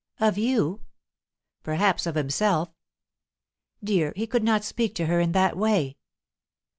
"Of you? "Perhaps of himself." "Dear, he could not speak to her in that way!"